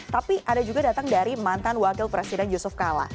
tapi ada juga datang dari mantan wakil presiden yusuf kala